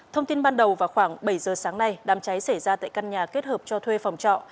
thông tin ban đầu vào khoảng bảy giờ sáng nay đám cháy xảy ra tại căn nhà kết hợp cho thuê phòng trọ